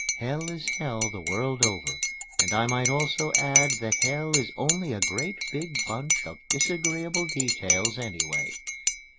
Hell is hell the world over, and I might also add that hell is only a great big bunch of disagreeable details anyway.